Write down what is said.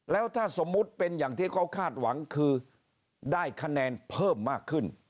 แล้วถ้าสมมุติเป็นอย่างที่เขาคาดหวังคือได้คะแนนเพิ่มมากขึ้น